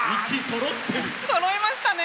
そろいましたね。